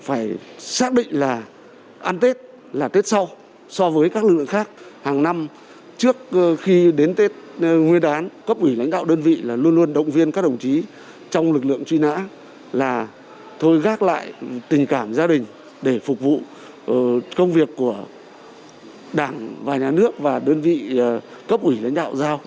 phải xác định là ăn tết là tết sau so với các lực lượng khác hàng năm trước khi đến tết nguyên đoán cấp ủy lãnh đạo đơn vị là luôn luôn động viên các đồng chí trong lực lượng truy nã là thôi gác lại tình cảm gia đình để phục vụ công việc của đảng và nhà nước và đơn vị cấp ủy lãnh đạo giao